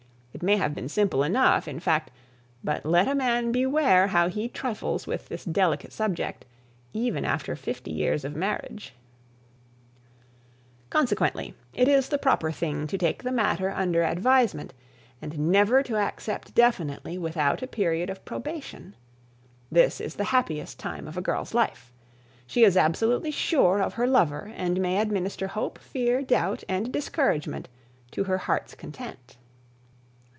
It may have been simple enough, in fact, but let a man beware how he trifles with this delicate subject, even after fifty years of marriage. [Sidenote: On Probation] Consequently, it is the proper thing to take the matter under advisement and never to accept definitely without a period of probation. This is the happiest time of a girl's life. She is absolutely sure of her lover and may administer hope, fear, doubt, and discouragement to her heart's content.